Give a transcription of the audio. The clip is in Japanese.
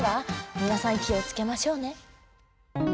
みなさん気をつけましょうね。